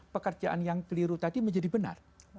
pekerjaan yang keliru tadi menjadi benar